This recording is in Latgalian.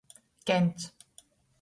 Kents.